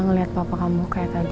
ngeliat papa kamu kayak tadi